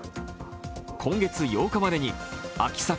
今月８日までに秋さけ